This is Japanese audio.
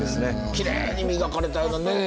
きれいに磨かれたようなね。